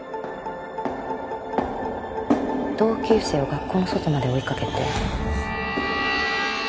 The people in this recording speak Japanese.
同級生を学校の外まで追いかけて。